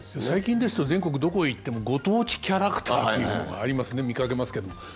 最近ですと全国どこへ行ってもご当地キャラクターっていうものがありますね見かけますけども。